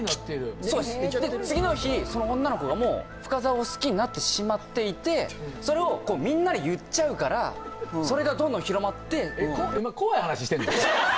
そうですで次の日その女の子がもう深澤を好きになってしまっていてそれをみんなに言っちゃうからそれがどんどん広まって違います